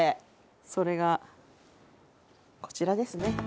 それがこちらですね。